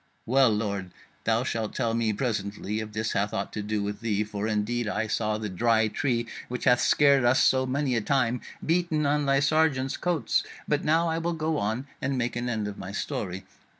Well, lord, thou shalt tell me presently if this hath aught to do with thee: for indeed I saw the Dry Tree, which hath scared us so many a time, beaten on thy sergeants' coats; but now I will go on and make an end of my story."